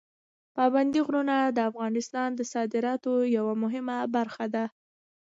پابندي غرونه د افغانستان د صادراتو یوه مهمه برخه ده.